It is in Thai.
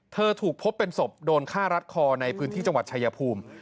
ถูกพบเป็นศพโดนฆ่ารัดคอในพื้นที่จังหวัดชายภูมิ